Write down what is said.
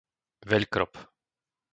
Veľkrop